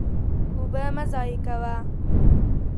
اوبه مه ضایع کوه.